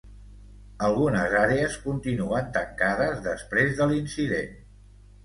Algunes àrees continuen tancades després de l'incident.